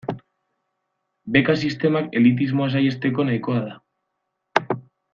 Beka sistemak elitismoa saihesteko nahikoa da.